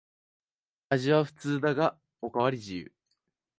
味は普通だがおかわり自由